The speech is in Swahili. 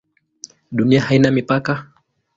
Dunia haina mipaka?